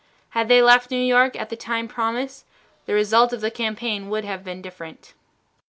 Had they left New York at the time promised, the result of the campaign would have been different.